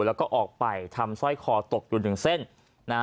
แล้วก็ออกไปทำสร้อยคอตกอยู่๑เส้นนะ